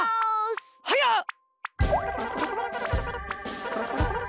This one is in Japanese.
はやっ！